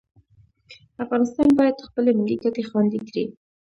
افغانستان باید خپلې ملي ګټې خوندي کړي.